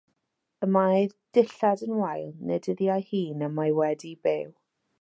Y mae ei dillad yn wael, nid iddi ei hun y mae wedi byw.